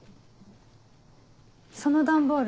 その段ボール